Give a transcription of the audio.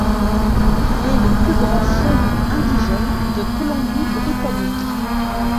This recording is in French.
Il est le plus grand feuillu indigène de Colombie-Britannique.